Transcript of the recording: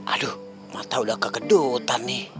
aduh mata udah kegedutan nih